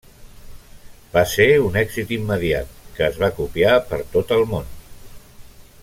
Va ser un èxit immediat, que es va copiar per tot el món.